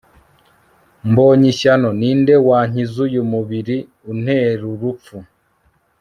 Mbony ishyano ni nde wankizuyu mubiri unterurupfu